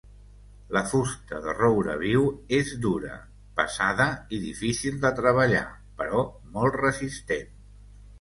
La fusta de roure viu és dura, pesada i difícil de treballar, però molt resistent.